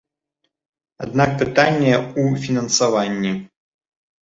Аднак пытанне ў фінансаванні.